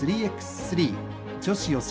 ３女子予選